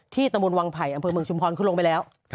ที่ตมวลวังไผ่อำเภอเมืองชุมพรขึ้นลงไปแล้ว